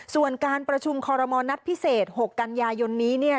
ส่วนการประชุมคอรมณ์นัดพิเศษ๖กันยายนนี้เนี่ย